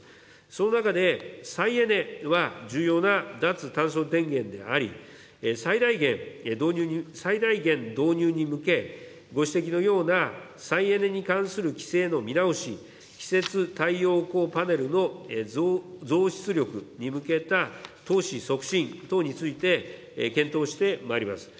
その中で再エネは重要な脱炭素電源であり、最大限、導入に向け、ご指摘のような再エネに関する規制の見直し、既設太陽光パネルの増出力に向けた投資促進等について、検討してまいります。